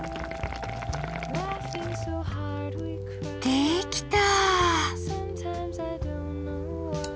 できた！